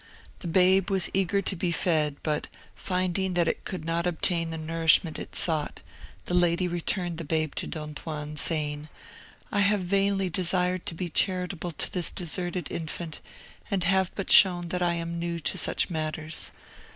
The babe was eager to be fed, but finding that it could not obtain the nourishment it sought, the lady returned the babe to Don Juan, saying, "I have vainly desired to be charitable to this deserted infant, and have but shown that I am new to such matters.